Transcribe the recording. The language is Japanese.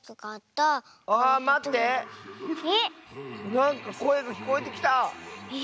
なんかこえがきこえてきた！え？